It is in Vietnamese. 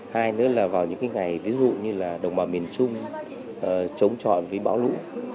hai nữa là vào những ngày ví dụ như là đồng bào miền trung chống trọi với bão lũ